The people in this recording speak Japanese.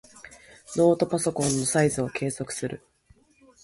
ノートパソコンのサイズを計測する。